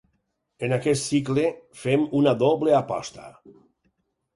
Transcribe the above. En aquest cicle fem una doble aposta.